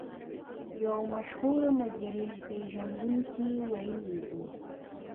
يو مشهور مجرم پېژندونکي ويلي دي.